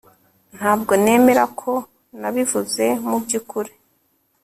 Ntabwo nemera ko nabivuze mubyukuri